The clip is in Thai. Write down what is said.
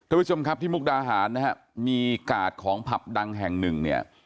ทุกผู้ชมครับที่มุกดาหารนะฮะมีกาดของผับดังแห่งหนึ่งเนี่ย